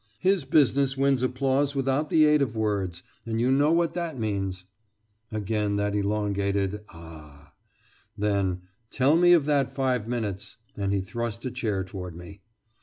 His business wins applause without the aid of words, and you know what that means." Again that elongated "A a ah!" Then, "Tell me of that five minutes," and he thrust a chair toward me.